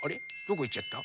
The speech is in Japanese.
どこいっちゃった？